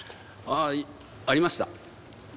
ああありました。